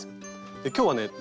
で今日はね